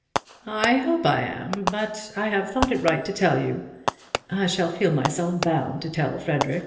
"I hope I am; but I have thought it right to tell you. I shall feel myself bound to tell Frederic.